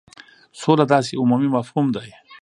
سوله داسي عمومي مفهوم دی.